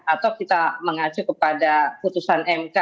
atau kita mengacu kepada putusan mk